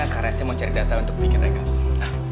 karena saya mau cari data untuk bikin rekam